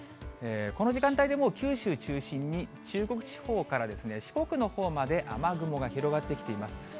この時間帯でもう、九州中心に、中国地方から四国のほうまで、雨雲が広がってきています。